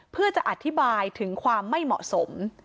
เพื่อจะอธิบายถึงความไม่เหมาะสม